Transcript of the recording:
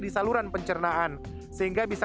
di saluran pencernaan sehingga bisa